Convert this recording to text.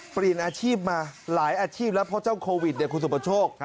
ปรีนอาชีพมาหลายอาชีพแล้วเพราะเจ้าโควิดคุณสุโปรโชค